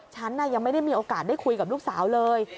ฉันยังไม่ได้มีโอกาสได้คุยกับลูกสาวเลย